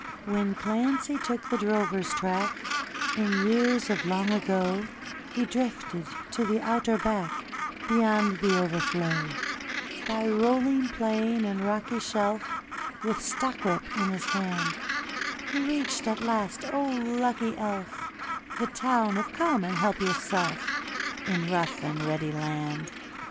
When Clancy took the drover's track In years of long ago, He drifted to the outer back Beyond the Overflow; By rolling plain and rocky shelf, With stockwhip in his hand, He reached at last, oh lucky elf, The Town of Come and help yourself In Rough and ready Land.